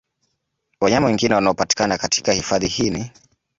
Wanyama wengine wanaopatikana katika hifadhi hii ni